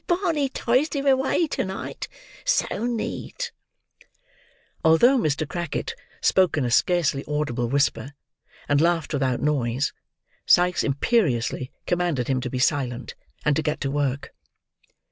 Barney 'ticed him away to night. So neat!" Although Mr. Crackit spoke in a scarcely audible whisper, and laughed without noise, Sikes imperiously commanded him to be silent, and to get to work.